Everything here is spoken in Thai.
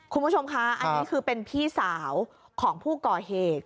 คุณผู้ชมคะอันนี้คือเป็นพี่สาวของผู้ก่อเหตุ